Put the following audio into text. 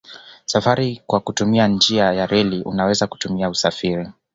Safari kwa kutumia njia ya reli unaweza kutumia usafiri